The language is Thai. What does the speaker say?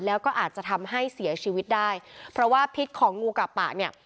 แล้วก็อาจจะทำให้เสียชีวิตได้เพราะว่าพิษของงูกะปะเนี่ย